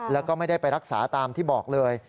แล้วก็ไม่ได้ไปรักษาตามที่บอกเลย